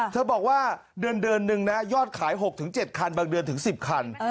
เธอบอกว่าเดือนนึงนะยอดขาย๖๗คันบางเดือนถึง๑๐คัน